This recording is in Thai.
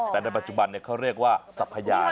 แต่ในปัจจุบันเขาเรียกว่าสัพยาน